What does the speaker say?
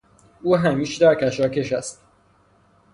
او همیشه در کشاکش است.